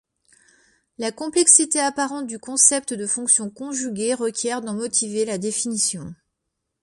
La complexité apparente du concept de fonction conjuguée requiert d'en motiver la définition.